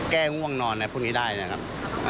แก้อ้วงนอนพวกนี้ได้นะครับ